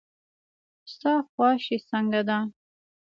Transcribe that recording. ستا خواشي څنګه ده.